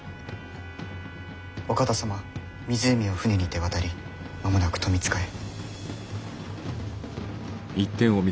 お方様湖を舟にて渡り間もなく富塚へ。